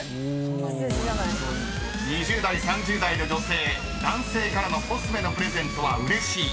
［２０代・３０代の女性男性からのコスメのプレゼントはうれしい］